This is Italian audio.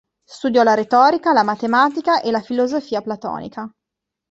Studiò la retorica, la matematica e la filosofia platonica.